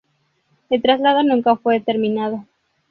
El traslado nunca fue terminado.